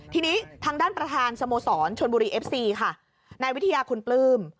ทีนี้ทางด้านประธานสโมสรชนบุรีเอฟซีค่ะนายวิทยาคุณปลื้ม